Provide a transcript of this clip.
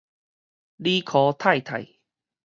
理科太太